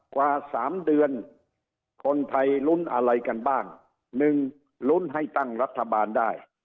กว่า๓เดือนคนไทยลุ้นอะไรกันบ้าง๑ลุ้นให้ตั้งรัฐบาลได้